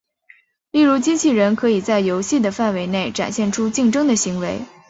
例如机器人可以在游戏的范围内展现出竞争的行为。